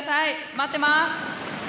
待ってます。